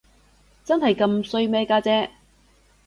真係咁衰咩，家姐？